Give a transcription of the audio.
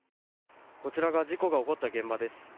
こちらが事故が起こった現場です。